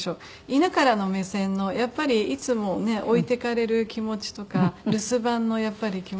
犬からの目線のやっぱりいつもね置いていかれる気持ちとか留守番のやっぱり気持ちとか。